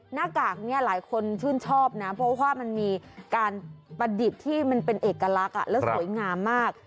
หน้ากากนี้หลายคนชื่นชอบนะเพราะว่ามันมีการประดิษฐ์ที่มันเป็นเอกลักษณ์และสวยงามมาก